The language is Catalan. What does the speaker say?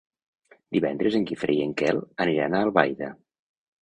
Divendres en Guifré i en Quel aniran a Albaida.